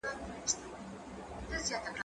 زه مخکي نان خوړلی و،